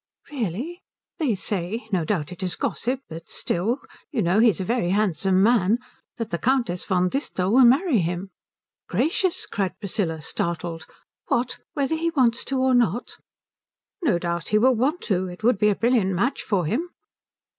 "Really?" "They say no doubt it is gossip, but still, you know, he is a very handsome man that the Countess von Disthal will marry him." "Gracious!" cried Priscilla, startled, "what, whether he wants to or not?" "No doubt he will want to. It would be a brilliant match for him."